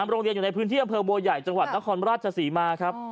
โรงเรียนอยู่ในพื้นที่อำเภอบัวใหญ่จังหวัดนครราชศรีมาครับ